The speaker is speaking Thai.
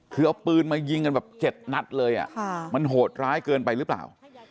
คือเอาปืนมายิงกันแบบ๗นัดเลยมันโหดร้ายเกินไปหรือเปล่า